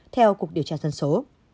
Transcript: theo cuộc điều tra dân số